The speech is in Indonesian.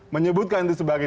menyebutkan itu sebagai